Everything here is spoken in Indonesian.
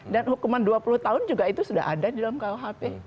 dan hukuman dua puluh tahun juga itu sudah ada di dalam khp